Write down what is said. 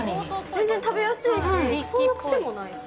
全然食べやすいし、そんなに癖もないし。